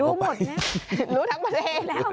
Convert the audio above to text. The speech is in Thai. รู้หมดแล้วรู้ทั้งทะเลแล้ว